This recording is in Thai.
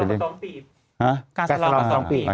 กัสลองกัน๒ปี